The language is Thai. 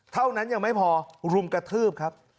เท่านั้นยังไม่พอรุมกระทืบครับ